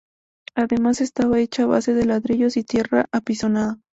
Además, estaba hecha a base de ladrillos y tierra apisonada.